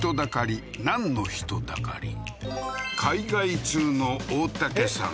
海外通の大竹さん